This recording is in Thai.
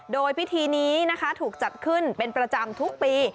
โดยพิธีนี้นะคะถูกจัดขึ้นเป็นประจำทุกปี